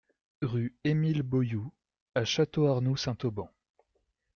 Rue Émile Boyoud à Château-Arnoux-Saint-Auban